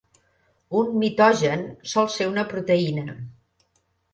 Un mitogen sol ser una proteïna.